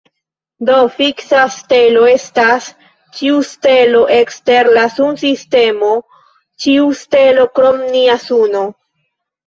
Do, fiksa stelo estas ĉiu stelo ekster la sunsistemo, ĉiu stelo krom nia suno.